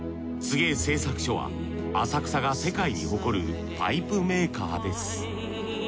製作所は浅草が世界に誇るパイプメーカーです。